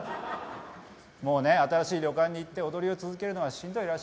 もうね新しい旅館に行って踊りを続けるのがしんどいらしいですよ。